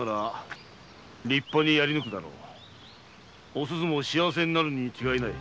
お鈴も幸せになるに違いない。